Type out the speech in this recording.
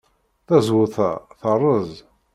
Tazewwut-a terreẓ.